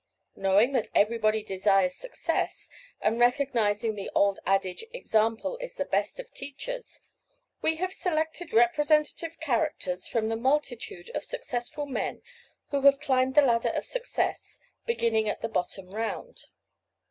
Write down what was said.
Knowing that everybody desires success, and recognizing the old adage, "Example is the best of teachers," we have selected representative characters from the multitude of successful men who have climbed the ladder of success, beginning at the bottom round.